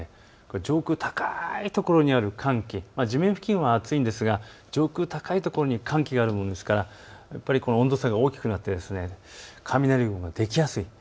上空、高いところにある寒気、地面付近は暑いんですが上空、高いところに寒気があるもんですから温度差が大きくなって雷ができやすい。